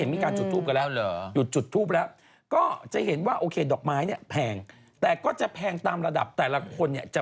ตอนนี้รู้สึกว่ายอดห้ามจุดทูบละ